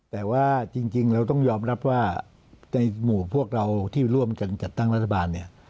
แต่ว่าจริงเราต้องยอมรับว่าในหมู่พวกเราที่ร่วมกันจัดตั้งรัฐบาลเนี่ย